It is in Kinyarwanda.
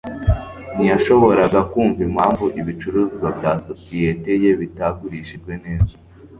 ntiyashoboraga kumva impamvu ibicuruzwa bya sosiyete ye bitagurishijwe neza.